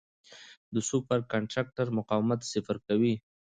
د سوپر کنډکټر مقاومت صفر کوي.